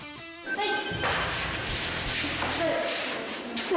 はい。